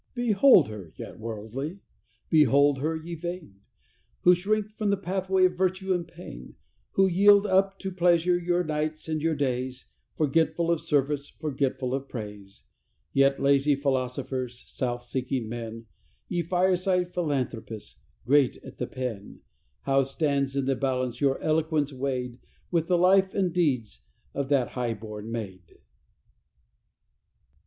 Behold her, ye worldly! Behold her, ye vain! Who shrink from the pathway of virtue and pain; Who yield up to pleasure your nights and your days, Forgetful of service, forgetful of praise; Yet lazy philosophers self seeking men Ye fireside philanthropists, great at the pen, How stands in the balance your eloquence weighed, With the life and the deeds of that high born maid?